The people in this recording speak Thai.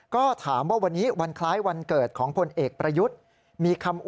ก็ถามว่าวันนี้วันคล้ายวันเกิดของพลเอกประยุทธ์